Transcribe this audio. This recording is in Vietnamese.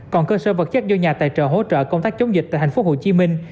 còn cơ sở vật chất do nhà tài trợ hỗ trợ công tác chống dịch tại thành phố hồ chí minh